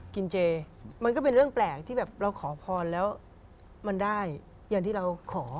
เจมันก็เป็นเรื่องแปลกที่แบบเราขอพรแล้วมันได้อย่างที่เราขอ